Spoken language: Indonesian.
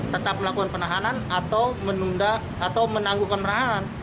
tetap melakukan penahanan atau menangguhkan penahanan